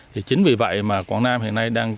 thì chính vì vậy mà quảng nam hiện nay đang